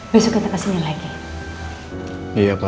mungkin mama lagi butuh waktu aja pak